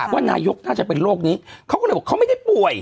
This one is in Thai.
ว่านายกน่าจะเป็นโรคนี้เขาก็เลยบอกเขาไม่ได้ป่วย